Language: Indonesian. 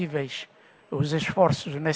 dengan sebegitu usaha